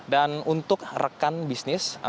dan untuk rekan bisnis